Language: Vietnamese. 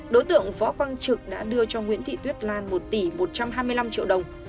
đối tượng võ quang trực đã đưa cho nguyễn thị tuyết lan một tỷ một trăm hai mươi năm triệu đồng